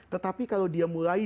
tetapi kalau dia mulai